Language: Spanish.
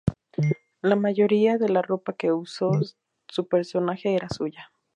La mayoría de la ropa que usó su personaje era suya.